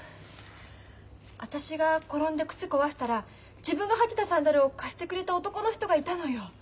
私が転んで靴壊したら自分が履いてたサンダルを貸してくれた男の人がいたのよ。